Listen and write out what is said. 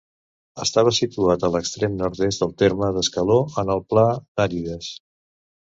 Estava situat a l'extrem nord-est del terme d'Escaló, en el Pla d'Arides.